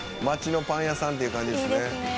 町のパン屋さんっていう感じですね。